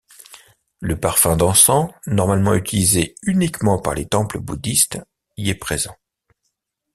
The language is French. Le parfum d'encens, normalement utilisé uniquement par les temples bouddhistes, y est présent.